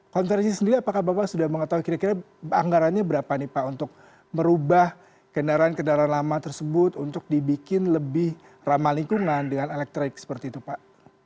konversi sendiri apakah bapak sudah mengetahui kira kira anggarannya berapa nih pak untuk merubah kendaraan kendaraan lama tersebut untuk dibikin lebih ramah lingkungan dengan elektrik seperti itu pak